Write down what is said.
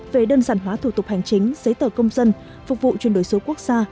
về đơn giản hóa thủ tục hành chính giấy tờ công dân phục vụ chuyển đổi số quốc gia